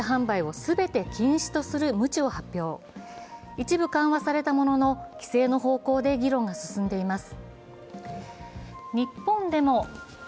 一部緩和されたものの、規制の方向で議論が進んでいます。